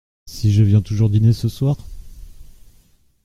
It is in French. Si je viens toujours dîner ce soir ?…